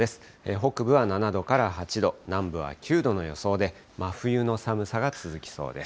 北部は７度から８度、南部は９度の予想で、真冬の寒さが続きそうです。